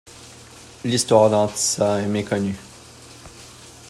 L'histoire d'Antissa est méconnue.